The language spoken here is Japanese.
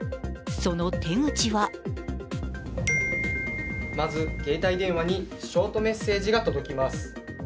その手口はまず、携帯電話にショートメッセージが届きます。